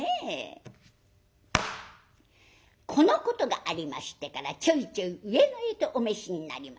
このことがありましてからちょいちょい上野へとお召しになります。